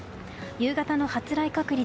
夕方の発雷確率